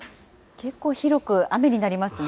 けっこう広く雨になりますね。